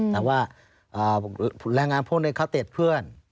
แต่ว่าแรงงานพวกนี้เขาติดเพื่อน